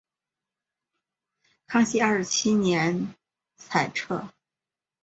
康熙二十七年裁撤。